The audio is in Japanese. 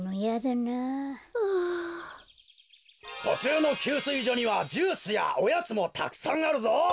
とちゅうの給水所にはジュースやおやつもたくさんあるぞ！